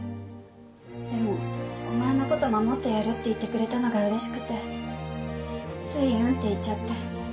でもお前のこと守ってやるって言ってくれたのがうれしくてつい「うん」って言っちゃって。